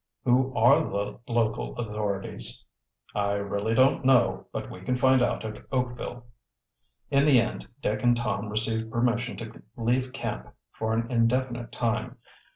"Who are the local authorities?" "I really don't know, but we can find out at Oakville." In the end Dick and Tom received permission to leave camp for an indefinite time.